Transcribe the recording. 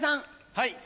はい。